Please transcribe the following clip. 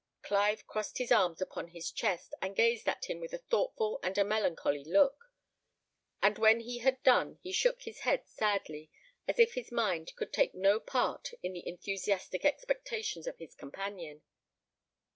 Clive crossed his arms upon his chest, and gazed at him with a thoughtful and a melancholy look; and when he had done he shook his head sadly, as if his mind could take no part in the enthusiastic expectations of his companion.